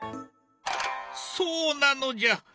そうなのじゃ！